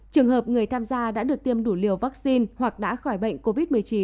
trường hợp người tham gia đã được tiêm đủ liều vaccine hoặc đã khỏi bệnh covid một mươi chín